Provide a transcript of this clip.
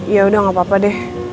ya udah gapapa deh